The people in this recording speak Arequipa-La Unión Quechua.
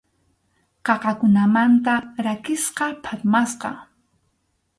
Qaqakunamanta rakisqa, phatmasqa.